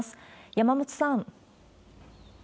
山本さん。